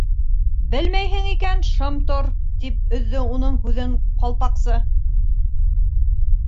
—Белмәйһең икән —шым тор, —тип өҙҙө уның һүҙен Ҡалпаҡсы.